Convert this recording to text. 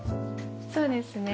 そうですね。